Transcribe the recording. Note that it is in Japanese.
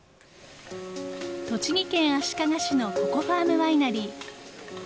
栃木県足利市のココ・ファーム・ワイナリー。